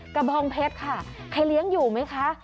บองเพชรค่ะใครเลี้ยงอยู่ไหมคะ